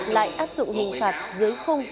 lại áp dụng hình phạt dưới khung